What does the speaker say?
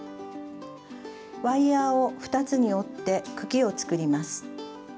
ワイヤーを２つに折って茎を作ります。